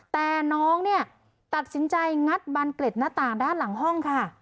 แต่น้องเนี่ยตัดสินใจงัดบานเกล็ดหน้าต่างด้านหลังห้องค่ะ